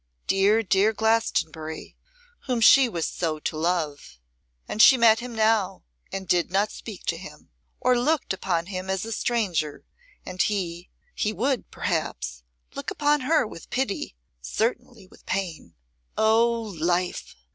Dear, dear Glastonbury, whom she was so to love! And she met him now, and did not speak to him, or looked upon him as a stranger; and he he would, perhaps, look upon her with pity, certainly with pain. O Life!